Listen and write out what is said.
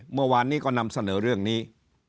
เมื่อวานนี้ก็นำเสนอเรื่องนี้